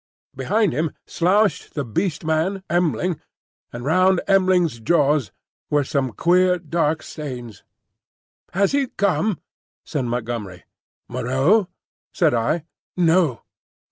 Behind him slouched the Beast Man, M'ling, and round M'ling's jaws were some queer dark stains. "Has he come?" said Montgomery. "Moreau?" said I. "No."